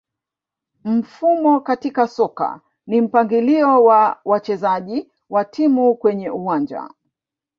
Mfumo katika soka ni mpangilio wa wachezaji wa timu kwenye uwanja